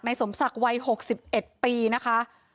ในสมศักดิ์วัยหกสิบเอ็ดปีนะคะ